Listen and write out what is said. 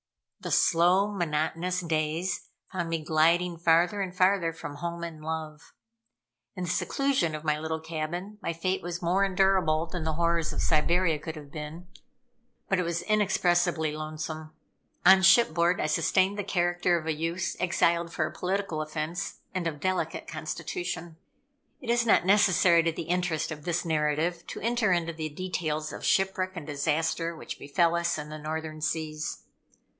The slow, monotonous days found me gliding farther and farther from home and love. In the seclusion of my little cabin, my fate was more endurable than the horrors of Siberia could have been, but it was inexpressibly lonesome. On shipboard I sustained the character of a youth, exiled for a political offense, and of a delicate constitution. It is not necessary to the interest of this narrative to enter into the details of shipwreck and disaster, which befel us in the Northern Seas.